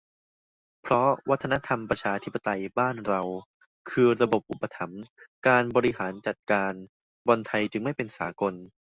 เพราะวัฒนธรรมประชาธิปไตยบ้านเรา คือระบบอุปถัมภ์ การบริหารจัดการบอลไทยจึงไม่เป็นสากล